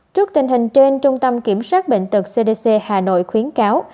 trước tình hình trên trung tâm kiểm soát bệnh tật cdc hà nội khuyến cáo